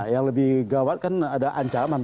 yang lebih gawat kan ada ancaman